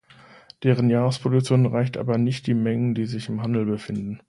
Deren Jahresproduktion erreicht aber nicht die Mengen, die sich im Handel befinden.